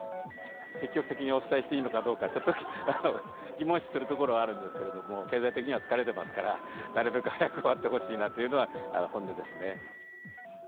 積極的にお伝えしていいのかどうか、ちょっと疑問視するところはあるんですけれども、経済的には疲れてますから、なるべく早く終わってほしいなというのが本音ですね。